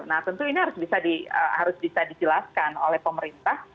nah tentu ini harus bisa dijelaskan oleh pemerintah